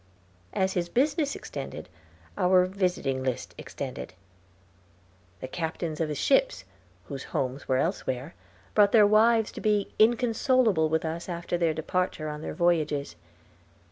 As his business extended, our visiting list extended. The captains of his ships whose homes were elsewhere brought their wives to be inconsolable with us after their departure on their voyages.